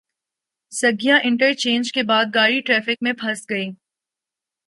Saggian interchange کے بعد گاڑی ٹریفک میں پھنس گئی۔